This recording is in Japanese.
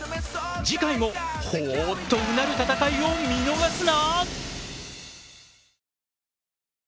次回もほぉっとうなる戦いを見逃すな！